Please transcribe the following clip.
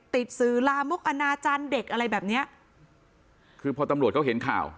สื่อลามกอนาจารย์เด็กอะไรแบบเนี้ยคือพอตำรวจเขาเห็นข่าว